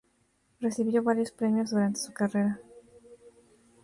Recibió varios premios durante su carrera.